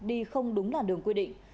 đi không đúng là đường quy định